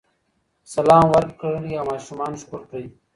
سلام ورکړئ او ماشومان ښکل کړئ.